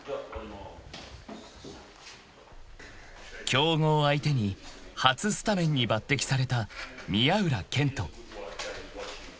［強豪相手に初スタメンに抜てきされた］